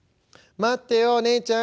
「待ってよお姉ちゃん」。